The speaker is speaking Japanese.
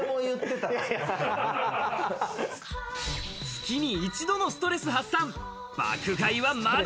月に一度のストレス発散。